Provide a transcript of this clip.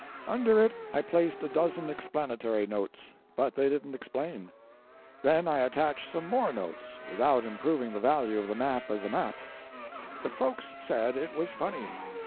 Under it I placed a dozen explanatory notes, but they didn't explain. Then I attached some more notes, without improving the value of the map as a map. But folks said it was funny.